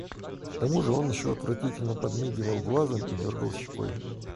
К тому же он еще отвратительно подмигивал глазом и дергал щекой.